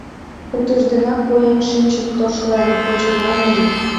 Утыжденак поен шинче Тошлем почиҥга марий.